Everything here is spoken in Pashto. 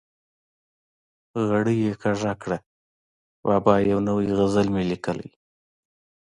غړۍ یې کږه کړه: بابا یو نوی غزل مې لیکلی.